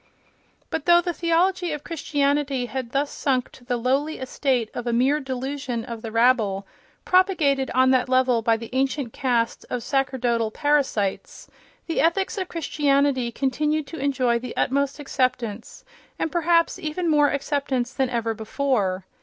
But though the theology of Christianity had thus sunk to the lowly estate of a mere delusion of the rabble, propagated on that level by the ancient caste of sacerdotal parasites, the ethics of Christianity continued to enjoy the utmost acceptance, and perhaps even more acceptance than ever before.